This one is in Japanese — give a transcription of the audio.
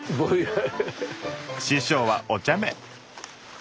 師匠はおちゃめ。